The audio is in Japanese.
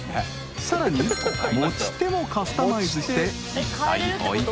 ［さらに持ち手もカスタマイズしていったいお幾ら？］